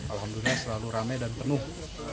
alhamdulillah selalu rame dan penuh